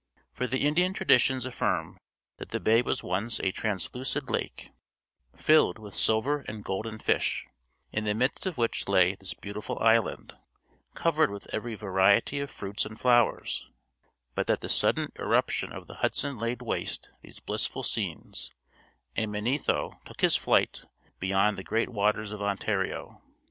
For the Indian traditions affirm that the bay was once a translucid lake, filled with silver and golden fish, in the midst of which lay this beautiful island, covered with every variety of fruits and flowers, but that the sudden irruption of the Hudson laid waste these blissful scenes, and Manetho took his flight beyond the great waters of Ontario.